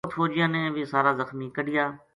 اُت فوجیاں نے ویہ سارا زخمی کَڈھیا